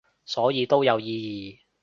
所以都有意義